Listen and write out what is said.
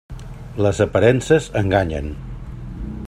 Les aparences enganyen.